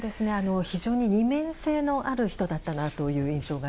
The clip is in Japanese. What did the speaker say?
非常に二面性のある人だったなと思います。